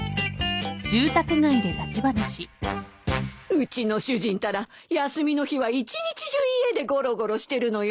うちの主人たら休みの日は一日中家でゴロゴロしてるのよ。